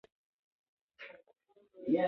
له هر قدم سره پاتېږمه د خدای په امان